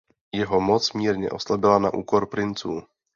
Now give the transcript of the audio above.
Jeho moc mírně oslabila na úkor princů.